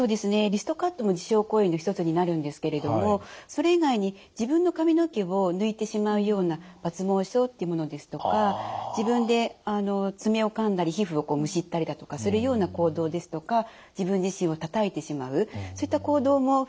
リストカットも自傷行為の一つになるんですけれどもそれ以外に自分の髪の毛を抜いてしまうような抜毛症っていうものですとか自分で爪をかんだり皮膚をむしったりだとかするような行動ですとか自分自身をたたいてしまうそういった行動も含まれてきます。